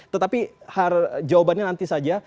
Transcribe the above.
tetapi jawabannya nanti saja